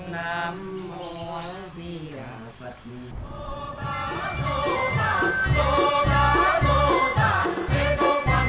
nam mô a di đạo phật